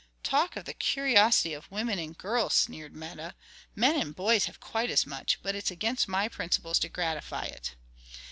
"Talk of the curiosity of women and girls!" sneered Meta: "men and boys have quite as much; but it's against my principles to gratify it."